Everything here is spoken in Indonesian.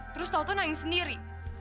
terus tau tau nain sendiri